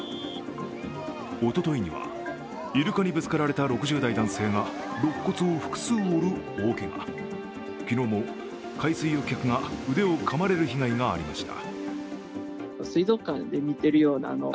おとといには、イルカにぶつかられた６０代男性がろっ骨を複数折る大けが、昨日も海水浴客が腕をかまれる被害がありました。